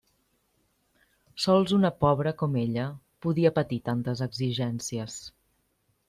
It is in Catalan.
Sols una pobra com ella podia patir tantes exigències.